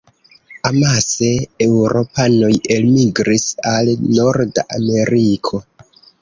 Amase eŭropanoj elmigris al norda Ameriko.